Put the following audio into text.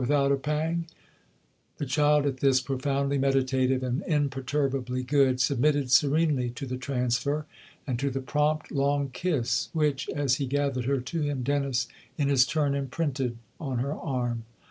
" Without a pang !" The child, at this, profoundly meditative and imperturbably " good," submitted serenely to the transfer and to the prompt, long kiss which, as he gathered her to him, Dennis, in his turn, imprinted on her arm.